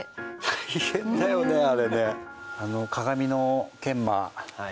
大変だよねあれね。